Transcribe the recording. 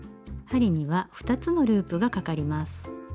針には２つのループがかかります。